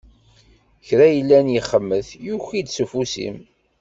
Kra i yellan yexmet, yuki-d s ufus-im.